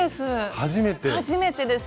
初めてです。